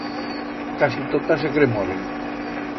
Casi totas se cremoren.